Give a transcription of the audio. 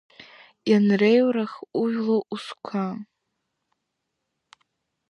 Ианреиурха ужәлар узқәа.